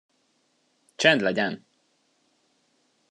Csend legyen!